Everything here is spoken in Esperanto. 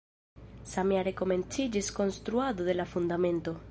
Samjare komenciĝis konstruado de la fundamento.